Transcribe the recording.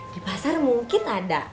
di pasar mungkin ada